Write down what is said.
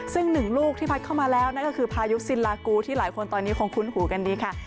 ซึ่งหนึ่งลูกที่พัดเข้ามาแล้วนั่นก็คือพายุสินลากูที่หลายคนตอนนี้คงคุ้นหูกันดีค่ะ